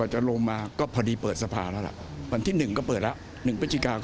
อาจารย์คำกันพระพิจารณ์ดูข้อเก่าค่ะของผู้ชมลงที่ดูเหมือนจะไร้แรง